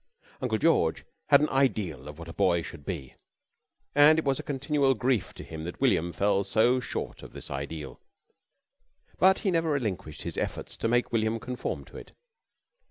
Uncle George had an ideal of what a boy should be, and it was a continual grief to him that William fell so short of this ideal. But he never relinquished his efforts to make William conform to it.